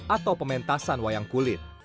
atau pementasan wayang kulit